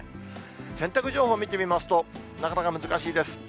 洗濯情報を見てみますと、なかなか難しいです。